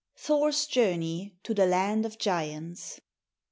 THOR'S JOURNEY TO THE LAND OF GIANTS.